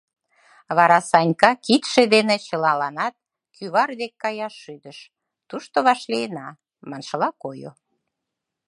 Вара Санька кидше дене чылаланат кӱвар дек каяш шӱдыш, тушто вашлийына, маншыла койо.